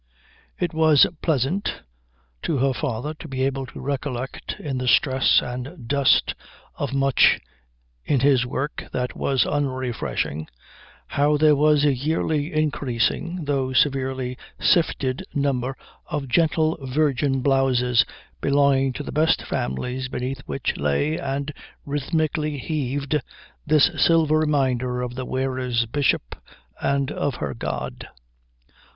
It was pleasant to her father to be able to recollect, in the stress and dust of much in his work that was unrefreshing, how there was a yearly increasing though severely sifted number of gentle virgin blouses belonging to the best families beneath which lay and rhythmically heaved this silver reminder of the wearer's Bishop and of her God.